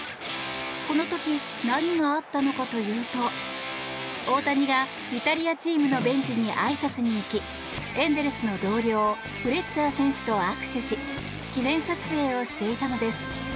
この時何があったのかというと大谷がイタリアチームのベンチにあいさつに行きエンゼルスの同僚フレッチャー選手と握手し記念撮影をしていたのです。